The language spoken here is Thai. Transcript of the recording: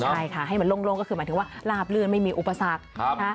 ใช่ค่ะให้มันโล่งก็คือหมายถึงว่าลาบลื่นไม่มีอุปสรรค